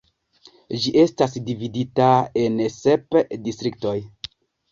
Ĝi estas dividita en sep distriktoj.